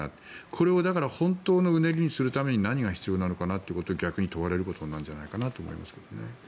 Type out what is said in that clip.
これを本当のうねりにするために何が必要なのかなということを逆に問われることになるんじゃないかと思いますね。